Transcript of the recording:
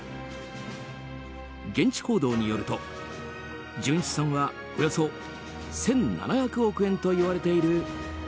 現地報道によると、純資産はおよそ１７００億円といわれている。